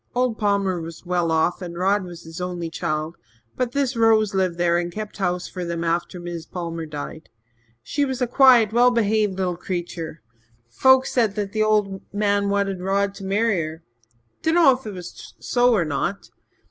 Old Palmer was well off and Rod was his only child, but this Rose lived there and kept house for them after Mis' Palmer died. She was a quiet, well behaved little creetur. Folks said the old man wanted Rod to marry her dunno if 'twas so or not.